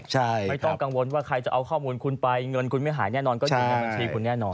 ไม่ต้องกังวลว่าใครจะเอาข้อมูลคุณไปเงินคุณไม่หายแน่นอนก็อยู่ในบัญชีคุณแน่นอน